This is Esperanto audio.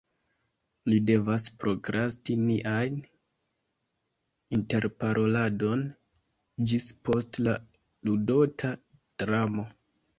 Ni devas prokrasti nian interparoladon ĝis post la ludota dramo.